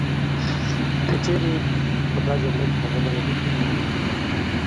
که چیري په دا جګړه کي هغه بریالي سي نو ژوندي پاتیږي